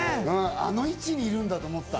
あの位置にいるんだと思った。